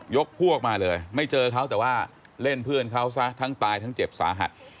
พวกมาเลยไม่เจอเขาแต่ว่าเล่นเพื่อนเขาซะทั้งตายทั้งเจ็บสาหัส